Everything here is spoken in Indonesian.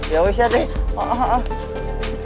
ya wiss ya deh